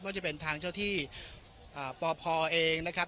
จะเป็นทางเจ้าที่ปพเองนะครับ